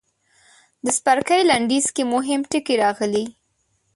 د څپرکي لنډیز کې مهم ټکي راغلي.